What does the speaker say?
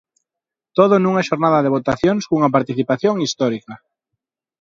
Todo nunha xornada de votacións cunha participación histórica.